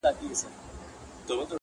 نن هغه سالار د بل په پښو كي پروت دئ٫